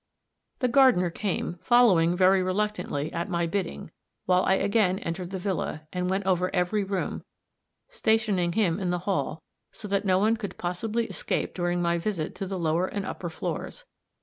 The gardener came, following very reluctantly, at my bidding, while I again entered the villa, and went over every room, stationing him in the hall, so that no one could possibly escape during my visit to the lower and upper floors.